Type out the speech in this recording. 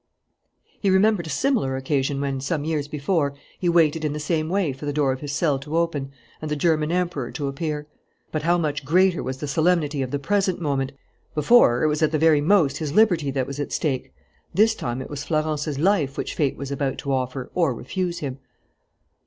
He remembered a similar occasion when, some years before, he waited in the same way for the door of his cell to open and the German Emperor to appear. But how much greater was the solemnity of the present moment! Before, it was at the very most his liberty that was at stake. This time it was Florence's life which fate was about to offer or refuse him.